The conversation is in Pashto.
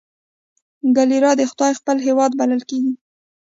کیرالا د خدای خپل هیواد بلل کیږي.